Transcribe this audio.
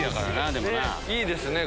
いいですね